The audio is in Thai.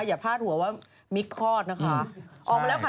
อย่าพลาดหัวว่ามิ๊กคลอดนะคะ